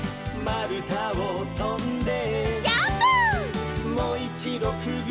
「まるたをとんで」